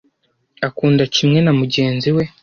akunda kimwe na mugenzi we